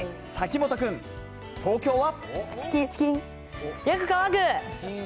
嵜本君、東京は。